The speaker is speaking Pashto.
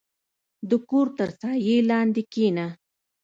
• د کور تر سایې لاندې کښېنه.